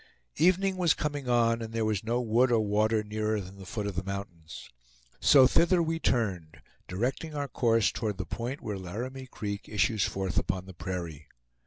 Evening was coming on, and there was no wood or water nearer than the foot of the mountains. So thither we turned, directing our course toward the point where Laramie Creek issues forth upon the prairie.